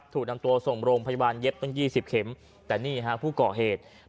ถูกนำตัวส่งโรงพยาบาลเย็บตั้ง๒๐เข็มแต่นี่ฮะผู้ก่อเหตุ